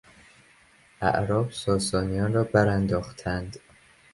اعراب ساسانیان را برانداختند.